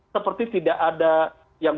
seperti tidak ada yang